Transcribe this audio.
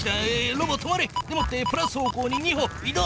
ロボ止まれ！でもってプラス方向に２歩い動！